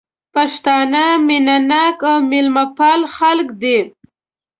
پښتانه مينه ناک او ميلمه پال خلک دي